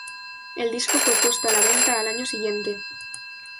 El disco fue puesto a la venta al año siguiente.